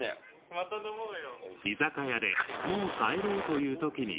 また飲もうよ。